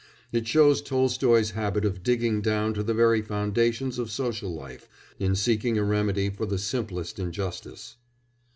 It shows Tolstoy's habit of digging down to the very foundations of social life in seeking a remedy for the simplest injustice.